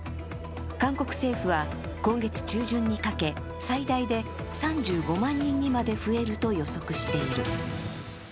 韓国政府は、今月中旬にかけ最大で３５万人にまで増えると予測している。